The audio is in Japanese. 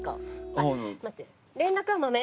あっ待って。